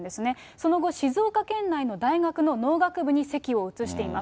その後、静岡県内の大学の農学部に籍を移しています。